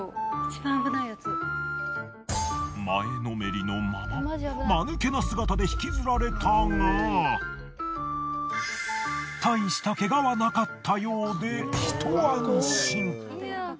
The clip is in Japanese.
前のめりのままマヌケな姿で引きずられたがたいしたケガはなかったようでひと安心。